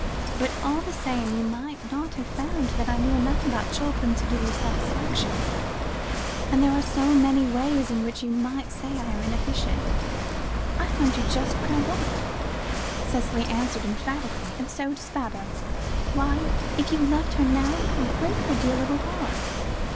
But all the same you might not have found that I knew enough about children to give you satisfaction, and there are so many ways in which you might say I am inefficient." "I find you just what I want," Cicely answered emphatically, "and so does Baba. Why, if you left her now, it would break her dear little heart.